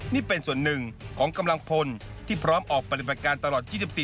นี่เป็นส่วนหนึ่งของกำลังพลที่พร้อมออกปฏิบัติการตลอด๒๔